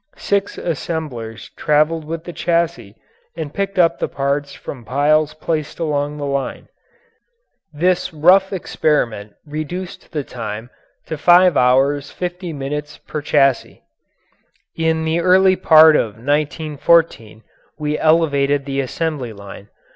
Six assemblers traveled with the chassis and picked up the parts from piles placed along the line. This rough experiment reduced the time to five hours fifty minutes per chassis. In the early part of 1914 we elevated the assembly line.